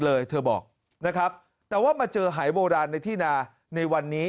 เลยเธอบอกนะครับแต่ว่ามาเจอหายโบราณในที่นาในวันนี้